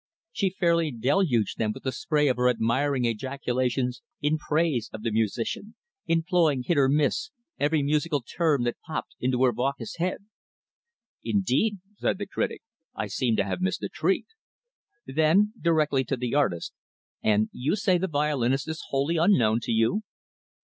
She fairly deluged them with the spray of her admiring ejaculations in praise of the musician employing, hit or miss, every musical term that popped into her vacuous head. "Indeed," said the critic, "I seem to have missed a treat." Then, directly to the artist, "And you say the violinist is wholly unknown to you?"